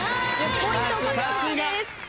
１０ポイント獲得です。